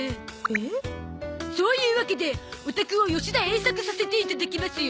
そうゆうわけでお宅を吉田栄作させていただきますよ。